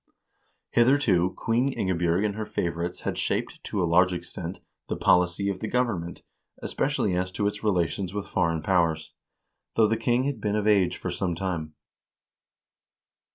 Hitherto Queen Ingebj0rg and her favorites had shaped, to a large extent, the policy of the government, especially as to its relations with foreign powers, though the king had been of age for some time.